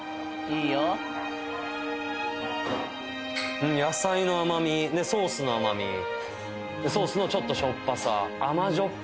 いいよ野菜の甘みソースの甘みソースのちょっとしょっぱさ甘じょっ